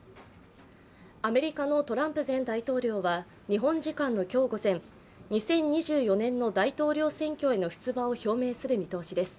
アメリカのトランプ前大統領は、日本時間の今日午前、２０２４年の大統領選挙への出馬を表明する見通しです。